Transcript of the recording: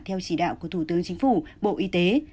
theo chỉ đạo của thủ tướng chính phủ bộ y tế